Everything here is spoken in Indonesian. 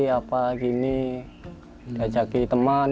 apa gini gak jadi teman